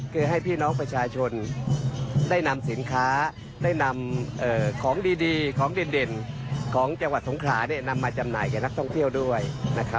คือให้พี่น้องประชาชนได้นำสินค้าได้นำของดีของเด่นของจังหวัดสงขลานำมาจำหน่ายแก่นักท่องเที่ยวด้วย